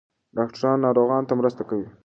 ډاکټران ناروغانو ته مرسته کوي.